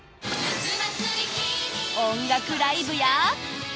音楽ライブや。